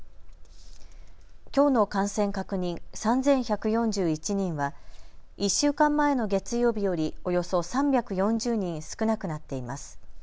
きょうの感染確認、３１４１人は１週間前の月曜日よりおよそ３４０人少なくなっています。